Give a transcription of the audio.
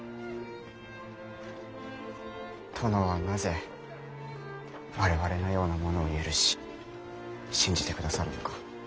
殿はなぜ我々のような者を許し信じてくださるのか。